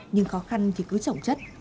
nhưng khó khăn thì cứ trọng chất